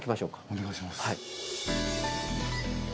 お願いします。